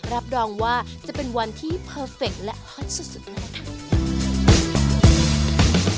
รับรองว่าจะเป็นวันที่เพอร์เฟคและฮอตสุดเลยล่ะค่ะ